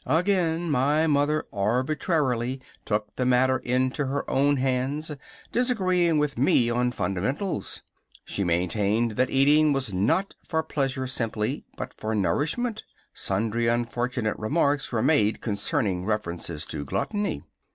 Again my mother arbitrarily took the matter into her own hands, disagreeing with me on fundamentals. She maintained that eating was not for pleasure simply, but for nourishment. Sundry unfortunate remarks were made containing references to gluttony.